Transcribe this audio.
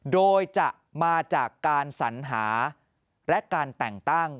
โดยจะมาจากการสัญหาและการแต่งตั้ง